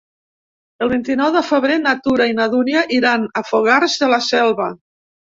El vint-i-nou de febrer na Tura i na Dúnia iran a Fogars de la Selva.